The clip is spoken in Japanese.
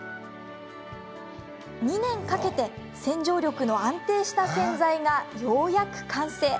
２年かけて洗浄力の安定した洗剤がようやく完成。